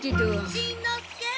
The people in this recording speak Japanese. しんのすけ。